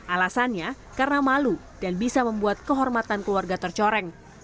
alasannya karena malu dan bisa membuat kehormatan keluarga tercoreng